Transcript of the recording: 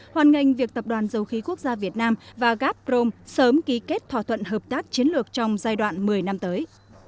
hoàn ngành việc tập đoàn dầu khí quốc gia việt nam và gaprome sớm ký kết thỏa thuận hợp tác chiến lược trong giai đoạn một mươi năm tới